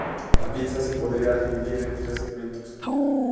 La pieza se podría dividir en tres segmentos.